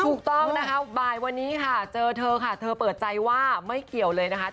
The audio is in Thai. ถูกต้องนะคะบ่ายวันนี้ค่ะเจอเธอค่ะเธอเปิดใจว่าไม่เกี่ยวเลยนะคะ